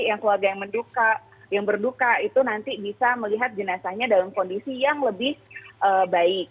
yang keluarga yang berduka itu nanti bisa melihat jenazahnya dalam kondisi yang lebih baik